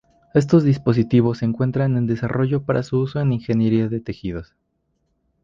Estos dispositivos se encuentran en desarrollo para su uso en ingeniería de tejidos.